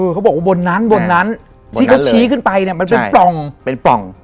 เขาบอกว่าบนนั้นที่เขาชี้ขึ้นไปมันเป็นปล่อง